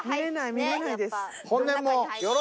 見れないです。